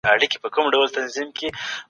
د سړي سر عايد د پلان له مخي لوړ سو.